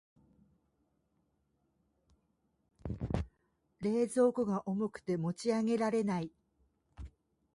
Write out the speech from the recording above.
冷蔵庫が重くて持ち上げられない。